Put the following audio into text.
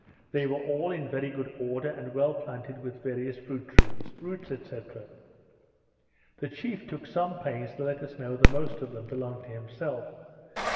They were all in very good order, and well planted with various fruit trees, roots, &c. The chief took some pains to let us know the most of them belonged to himself.